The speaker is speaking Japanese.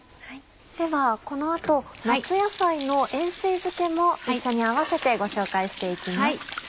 ではこの後夏野菜の塩水漬けも一緒に併せてご紹介して行きます。